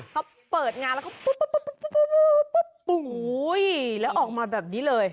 เขาเปิดงานแล้วก็ปุ๊บปุ๊บปุ๊บปุ้มอุ๊ยยยยยแล้วออกมาแบบนี้เลย